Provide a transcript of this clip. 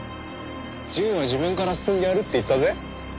淳は自分から進んでやるって言ったぜ。